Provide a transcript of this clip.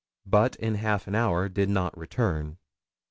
But in half an hour did not return.